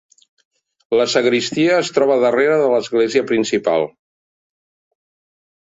La sagristia es troba darrere de l'església principal.